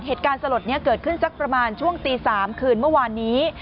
เหตุการณ์สลดเกิดขึ้นสักประมาณช่วงตี๓คืนเมื่อวานนี้